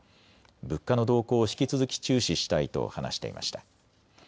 物価の動向を引き続き注視したいと話していました。